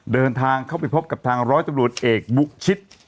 เดินทางเข้าไปพบกับทางร้อยตำรวจเอกบุคชิต